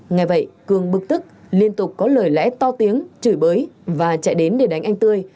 nghe vậy cường bực tức liên tục có lời lẽ to tiếng chửi bới và chạy đến để đánh anh tươi